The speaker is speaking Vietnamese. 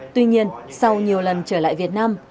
tuy nhiên sau nhiều lần trở lại việt nam